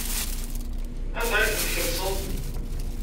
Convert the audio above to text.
Anda ay tent-tkemseḍ?